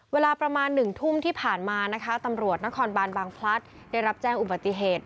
เวลาประมาณ๑ทุ่มที่ผ่านมานะคะตำรวจนครบานบางพลัดได้รับแจ้งอุบัติเหตุ